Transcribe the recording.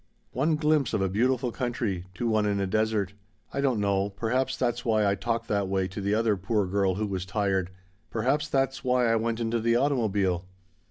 One glimpse of a beautiful country to one in a desert. I don't know, perhaps that's why I talked that way to the other poor girl who was tired perhaps that's why I went in the automobile.